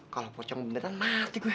kalau pocong beneran mati